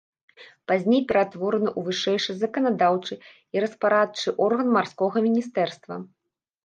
Пазней ператвораны ў вышэйшы заканадаўчы і распарадчы орган марскога міністэрства.